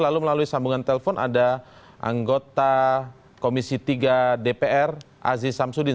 lalu melalui sambungan telpon ada anggota komisi tiga dpr aziz samsudin